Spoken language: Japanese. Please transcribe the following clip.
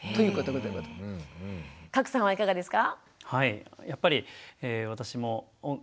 加耒さんはいかがですか？